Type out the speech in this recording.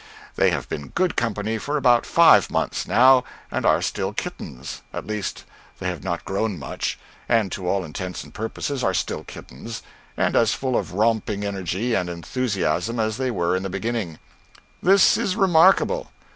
They have been good company for about five months now, and are still kittens at least they have not grown much, and to all intents and purposes are still kittens, and as full of romping energy and enthusiasm as they were in the beginning. This is remarkable.